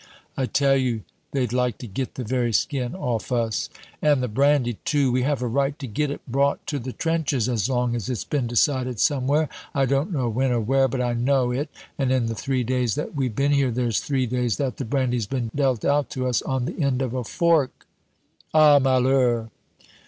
"I tell you, they'd like to get the very skin off us!" "And the brandy, too! We have a right to get it brought to the trenches as long as it's been decided somewhere I don't know when or where, but I know it and in the three days that we've been here, there's three days that the brandy's been dealt out to us on the end of a fork!" "Ah, malheur!"